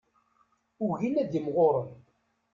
Ugin ad imɣuren.